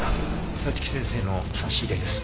早月先生の差し入れです。